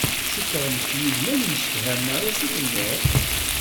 Cukkeɣ nekk yid-m ad nemsefham, neɣ acu tenniḍ?